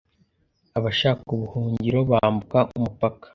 abashaka ubuhungiro bambuka umupaka